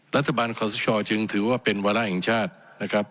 รัฐบาลขอสชจึงถือว่าเป็นวาระแห่งชาตินะครับ